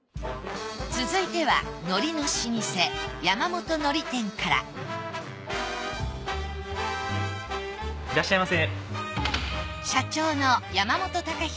続いては海苔の老舗山本海苔店からいらっしゃいませ。